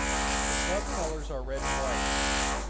The club colours are red and white.